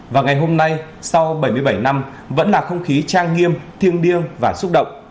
và ngày hôm nay sau bảy mươi bảy năm vẫn là không khí trang nghiêm thiêng điêng và xúc động